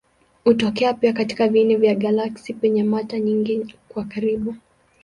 Hutokea pia katika viini vya galaksi penye mata nyingi kwa karibu.